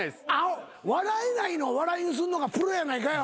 笑えないのを笑いにするのがプロやないかい！